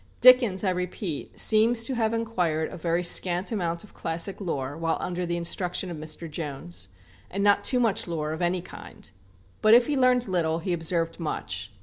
Dickens, I repeat, seems to have acquired a very scant amount of classic lore while under the instruction of Mr. Jones, and not too much lore of any kind. But if he learned little, he observed much.